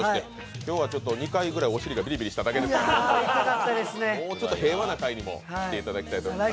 今日は２回ぐらいお尻がビリビリしただけでしたが、もうちょっと平和な回にもお越しいただきたいと思います。